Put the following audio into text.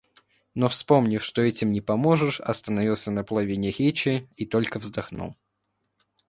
Но вспомнив, что этим не поможешь, остановился на половине речи и только вздохнул.